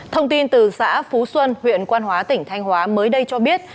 thông tin từ xã phú xuân huyện quan hóa tỉnh thanh hóa mới đây cho biết